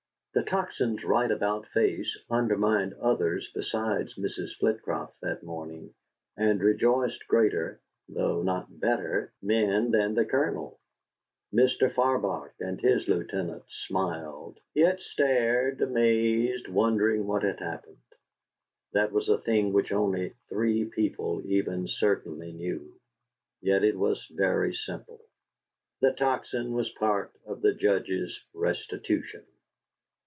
The Tocsin's right about face undermined others besides Mrs. Flitcroft that morning, and rejoiced greater (though not better) men than the Colonel. Mr. Farbach and his lieutenants smiled, yet stared, amazed, wondering what had happened. That was a thing which only three people even certainly knew; yet it was very simple. The Tocsin was part of the Judge's restitution.